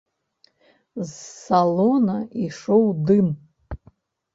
З салона ішоў дым.